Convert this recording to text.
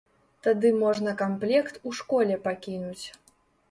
Тады можна камплект у школе пакінуць.